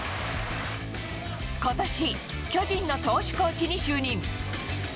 今年、巨人の投手コーチに就任。